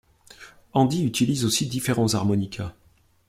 Andy utilise aussi différents harmonicas.